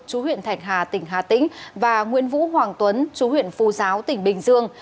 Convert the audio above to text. chú huyện thạch hà tỉnh hà tĩnh và nguyễn vũ hoàng tuấn chú huyện phu giáo tỉnh bình dương